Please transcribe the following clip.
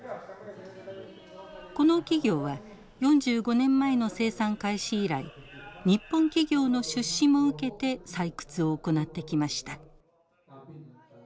この企業は４５年前の生産開始以来日本企業の出資も受けて採掘を行ってきました。